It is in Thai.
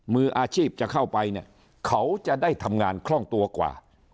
มืออาชีพจะเข้าไปเนี่ยเขาจะได้ทำงานคล่องตัวกว่า